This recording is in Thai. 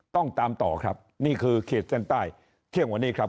ต้องตามต่อครับนี่คือขีดเส้นใต้เที่ยงวันนี้ครับ